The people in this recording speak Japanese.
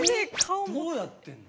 どうやってんの？